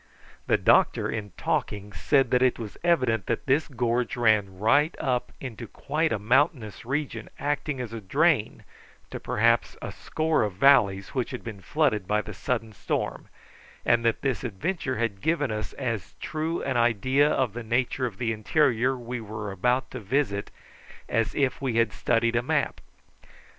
The doctor, in talking, said that it was evident that this gorge ran right up into quite a mountainous region acting as a drain to perhaps a score of valleys which had been flooded by the sudden storm, and that this adventure had given us as true an idea of the nature of the interior we were about to visit as if we had studied a map.